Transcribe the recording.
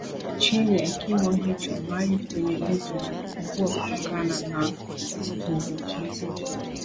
Chini ya kimo hicho maji kwenye mito inapungua kutokana na mvukizo